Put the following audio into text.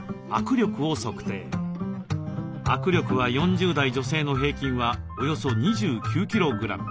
握力は４０代女性の平均はおよそ２９キログラム。